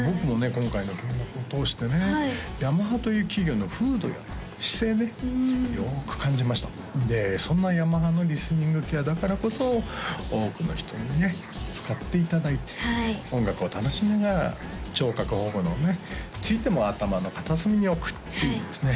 今回の見学を通してねヤマハという企業の風土や姿勢ねよく感じましたでそんなヤマハのリスニングケアだからこそ多くの人にね使っていただいて音楽を楽しみながら聴覚保護についても頭の片隅に置くっていうですね